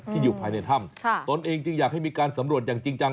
อยู่ภายในถ้ำตนเองจึงอยากให้มีการสำรวจอย่างจริงจัง